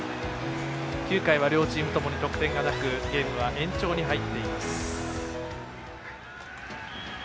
９回は両チームともに得点がなくゲームは延長に入っています。